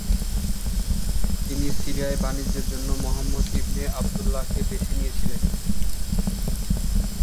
তিনি সিরিয়ার বাণিজ্যের জন্য মুহাম্মাদ ইবনে আবদুল্লাহকে বেছে নিয়েছিলেন।